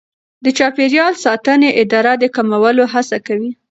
د چاپیریال ساتنې اداره د کمولو هڅه کوي.